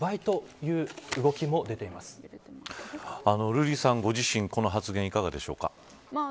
瑠麗さんご自身この発言いかがでしょうか。